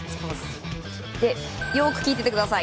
よく聞いてください。